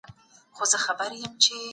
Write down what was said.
سياست په ټولنيزو اړيکو کې ژورې ريښې نلري.